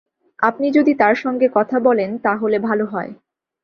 আপনি যদি তাঁর সঙ্গে কথা বলেন তা হলে ভাল হয়।